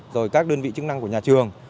rồi các đơn vị chức năng của nhà trường